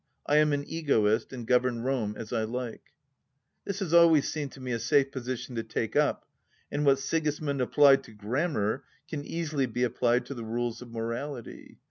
... I am an egotist, and govern Rome as I like !" That has always seemed to me a safe position to take up, and what Sigismimd applied to grammar can easily be applied to the rules of morality.